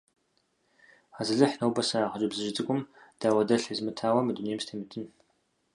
Азалыхь, нобэ сэ а хъыджэбзыжь цӀыкӀум дауэдэлъ езмытауэ мы дунейм сытемытын.